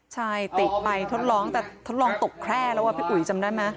ใช่เตะไปทดลองแต่ทดลองตกแคร่แล้วพี่อุ๋ยจำได้ไหม